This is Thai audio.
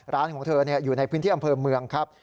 ร้านของเธออยู่ในพื้นที่อำเภอเมืองครับ